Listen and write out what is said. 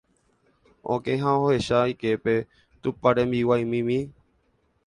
oke ha ohecha iképe tupãrembiguaimimi.